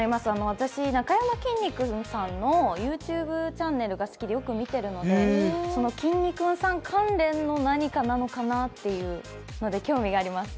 私、なかやまきんに君さんのＹｏｕＴｕｂｅチャンネルが好きで、よく見ているのできんに君さん関連の何かなのかなということで興味があります。